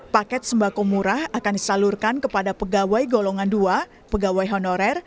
paket sembako murah akan disalurkan kepada pegawai golongan dua pegawai honorer